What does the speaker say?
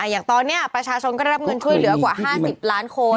อย่างตอนนี้ประชาชนก็ได้รับเงินช่วยเหลือกว่า๕๐ล้านคน